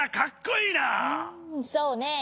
そうねえ。